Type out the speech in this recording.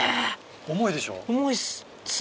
重いでしょ。